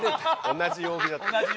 同じ曜日だった。